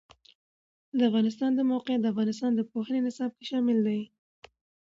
د افغانستان د موقعیت د افغانستان د پوهنې نصاب کې شامل دي.